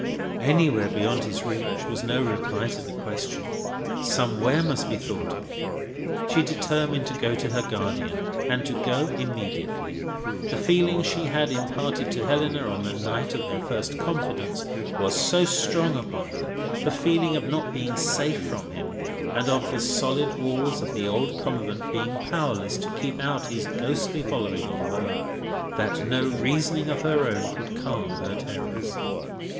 Anywhere beyond his reach, was no reply to the question. Somewhere must be thought of. She determined to go to her guardian, and to go immediately. The feeling she had imparted to Helena on the night of their first confidence, was so strong upon her—the feeling of not being safe from him, and of the solid walls of the old convent being powerless to keep out his ghostly following of her—that no reasoning of her own could calm her terrors.